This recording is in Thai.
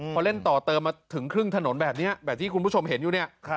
พอเล่นต่อเติมมาถึงครึ่งถนนแบบนี้แบบที่คุณผู้ชมเห็นอยู่เนี่ย